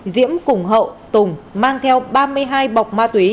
diễm cùng hậu tùng mang theo ba mươi hai bọc ma túy